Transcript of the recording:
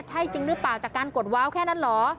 ใช่จริงหรือเปล่าจากการกดว้าวแค่นั้นเหรอ